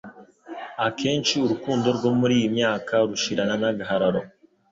Akenshi urukundo rwo muri iyi myaka rushirana n'agahararo